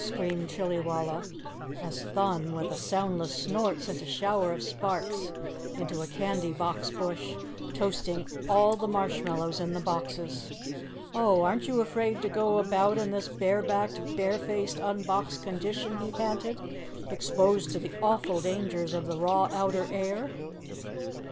screamed Chillywalla, as Thun, with a soundless snort, sent a shower of sparks into a candy box bush, toasting all the marshmallows in the boxes. "Oh, aren't you afraid to go about in this barebacked, barefaced, unboxed condition?" he panted, "exposed to the awful dangers of the raw outer air?"